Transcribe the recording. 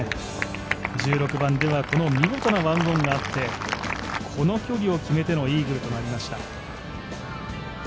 １６番ではこの見事な１オンがあってこの距離を決めてのイーグルとなりました。